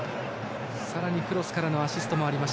さらにクロスからのアシスト。